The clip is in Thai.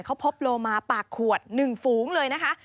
เขาพบโลมาปากขวดหนึ่งฟู้งเลยนะคะ